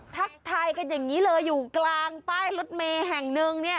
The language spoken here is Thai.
ทักทายกันอย่างนี้เลยอยู่กลางป้ายรถเมย์แห่งหนึ่งเนี่ย